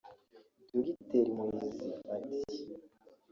Dogiteri Muhizi ati